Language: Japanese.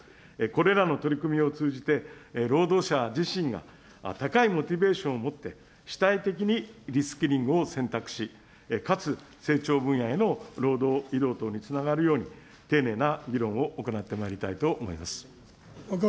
これらの取り組みを通じて、労働者自身が高いモチベーションを持って、主体的にリ・スキリングを選択し、かつ成長分野への労働移動等につながるように、丁寧な議論を行ってまいりたいと思います。